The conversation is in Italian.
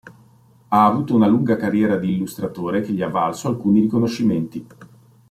Ha avuto una lunga carriera di illustratore che gli ha valso alcuni riconoscimenti.